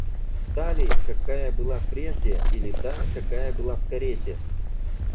Та ли, какая была прежде, или та, какая была в карете?